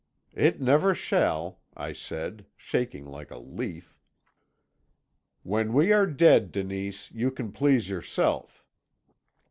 "'It never shall,' I said, shaking like a leaf. "'When we are dead, Denise, you can please yourself.'